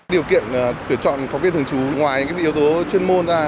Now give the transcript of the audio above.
điều kiện tuyển chọn phóng viên thường trú ngoài những yếu tố chuyên môn ra